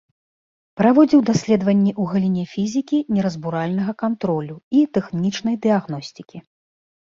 Праводзіў даследаванні ў галіне фізікі неразбуральнага кантролю і тэхнічнай дыягностыкі.